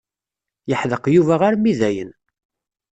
Yeḥdeq Yuba armi dayen.